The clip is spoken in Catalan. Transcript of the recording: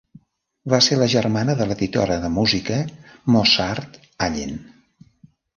Va ser la germana de l'editora de música Mozart Allen.